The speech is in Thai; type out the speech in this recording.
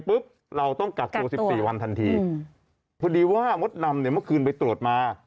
เราต้องกักตัว๑๔วันทันทีพอดีว่ามดดำเนี่ยเมื่อคืนไปตรวจมา